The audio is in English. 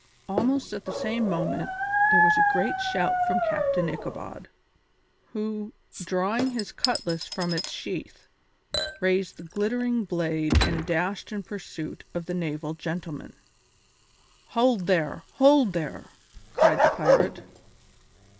Almost at the same moment there was a great shout from Captain Ichabod, who, drawing his cutlass from its sheath, raised the glittering blade and dashed in pursuit of the naval gentleman. "Hold there! Hold there!" cried the pirate.